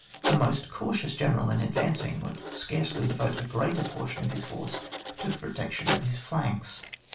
The most cautious general in advancing would hardly devote a greater proportion of his force to the protection of his flanks.